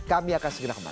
kami akan segera kembali